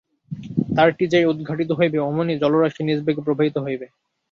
দ্বারটি যেই উদ্ঘাটিত হইবে, অমনি জলরাশি নিজবেগে প্রবাহিত হইবে।